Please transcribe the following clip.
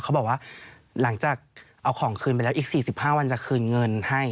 เขาบอกว่าหลังจากเอาของคืนไปแล้วอีก๔๕วันจะคืนเงินให้